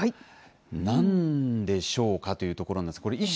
何でしょうかというところなんです。